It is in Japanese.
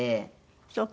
そうか。